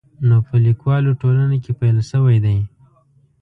نو په لیکوالو ټولنه کې پیل شوی دی.